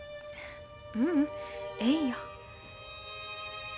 ううんええんよ。